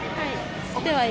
はい。